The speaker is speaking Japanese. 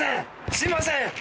すいません！